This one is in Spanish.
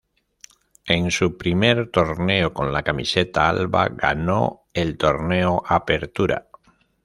En su primer torneo con la camiseta alba ganó el Torneo Apertura.